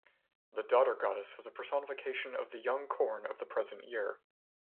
The daughter goddess was a personification of the young corn of the present year.